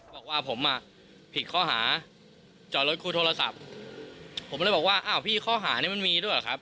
บอกว่าผมอ่ะผิดข้อหาจอดรถครูโทรศัพท์ผมเลยบอกว่าอ้าวพี่ข้อหานี้มันมีด้วยเหรอครับ